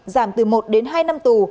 giảm từ một đến hai năm tù